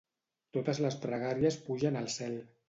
Totes les pregàries pugen al cel.